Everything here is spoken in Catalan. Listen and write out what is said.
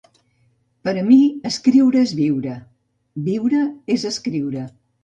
Per a mi escriure és viure, viure és escriure.